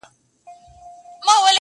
خدای راکړې هره ورځ تازه هوا وه٫